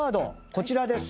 こちらです。